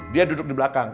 dia duduk di belakang